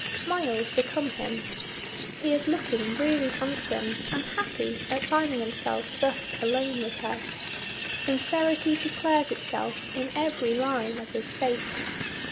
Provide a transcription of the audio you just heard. Smiles become him. He is looking really handsome and happy at finding himself thus alone with her. Sincerity declares itself in every line of his face.